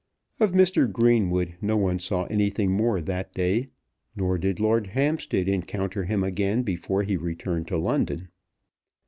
Of Mr. Greenwood no one saw anything more that day, nor did Lord Hampstead encounter him again before he returned to London.